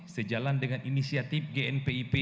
sejalan dengan inisiatif gnpip